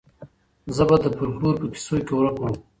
زه به د فولکلور په کيسو کي ورک وم.